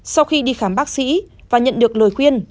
sau khi đi khám bác sĩ và nhận được lời khuyên